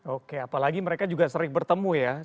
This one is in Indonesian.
oke apalagi mereka juga sering bertemu ya